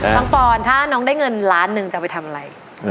ปอนถ้าน้องได้เงินล้านหนึ่งจะไปทำอะไร